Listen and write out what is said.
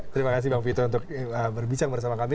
terima kasih bang vito untuk berbincang bersama kami